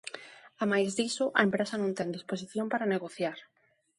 Amais diso, a empresa non ten disposición para negociar.